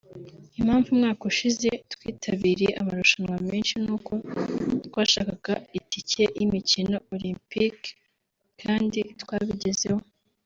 Impamvu umwaka ushize twitabiriye amarushanwa menshi ni uko twashakaga itike y’imikino Olimpic kandi twabigezeho